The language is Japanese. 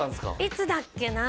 いつだっけな？